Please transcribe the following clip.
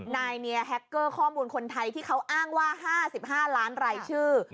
นายเนียแฮคเกอร์ข้อมูลคนไทยที่เขาอ้างว่า๕๕ล้านรายชื่อ